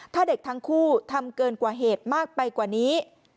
ถ้าเด็กทั้งคู่ทำเกินกว่าเหตุมากไปกว่านี้